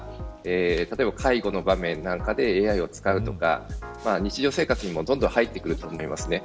例えば、介護の場面なんかでＡＩを使うとか、日常生活にもどんどん入ってくると思いますね。